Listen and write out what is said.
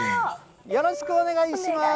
よろしくお願いします。